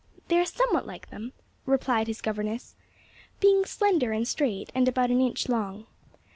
"They are somewhat like them," replied his governess, "being slender and straight and about an inch long.